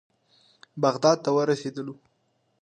بغداد ته ورسېدلو.